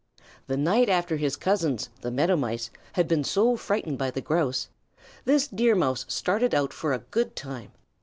The night after his cousins, the Meadow Mice, had been so frightened by the Grouse, this Deer Mouse started out for a good time.